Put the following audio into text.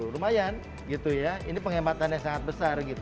lumayan ini penghematannya sangat besar